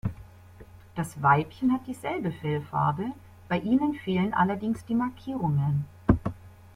Das Weibchen hat dieselbe Fellfarbe, bei ihnen fehlen allerdings die Markierungen.